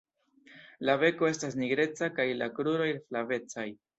La beko estas nigreca kaj la kruroj flavecaj.